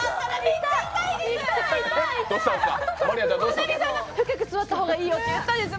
本並さんが深く座った方がいいよって言ったんです。